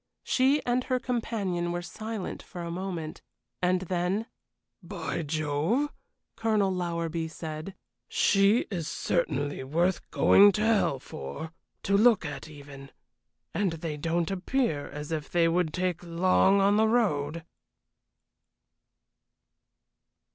She and her companion were silent for a moment, and then: "By Jove!" Colonel Lowerby said. "She is certainly worth going to hell for, to look at even and they don't appear as if they would take long on the road."